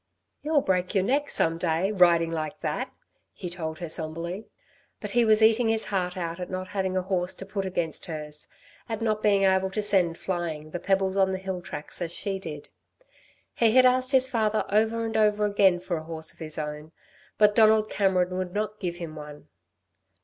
"You'll break your neck some day, riding like that," he told her, sombrely. But he was eating his heart out at not having a horse to put against hers, at not being able to send flying the pebbles on the hill tracks as she did. He had asked his father over and over again for a horse of his own, but Donald Cameron would not give him one.